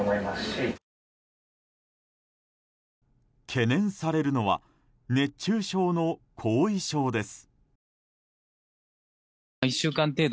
懸念されるのは熱中症の後遺症です。